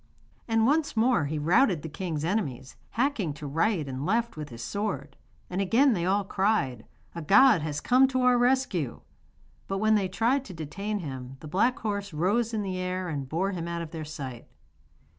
And once more he routed the king's enemies, hacking to right and left with his sword. And again they all cried: 'A god has come to our rescue!' But when they tried to detain him the black horse rose in the air and bore him out of their sight.